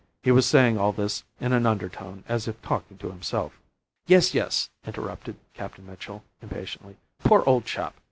He was saying all this in an undertone as if talking to himself." "Yes, yes," interrupted Captain Mitchell, impatiently. "Poor old chap!